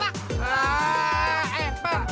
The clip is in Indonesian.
ah eh pak